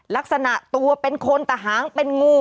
ลักษณะตัวเป็นคนตะหางเป็นงู